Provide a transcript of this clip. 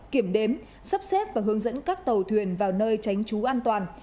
kiểm đếm sắp xếp và hướng dẫn các tàu thuyền vào nơi tránh trú an toàn